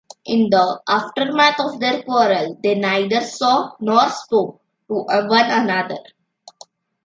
In the aftermath of their quarrel they neither saw nor spoke to one another.